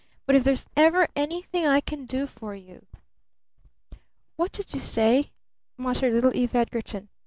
But if there's ever anything I can do for you!" "What did you say?" muttered little Eve Edgarton.